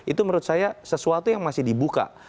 itu menurut saya sesuatu yang masih dibuka